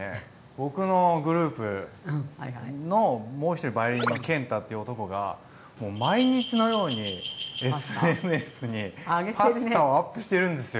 僕のグループのもう一人バイオリンのＫＥＮＴＡっていう男が毎日のようにＳＮＳにパスタをアップしてるんですよ。